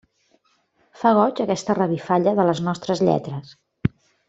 Fa goig aquesta revifalla de les nostres lletres.